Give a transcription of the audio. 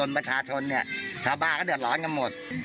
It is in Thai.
ประชาชนเนี่ยชาวบ้านก็เดือดร้อนกันหมด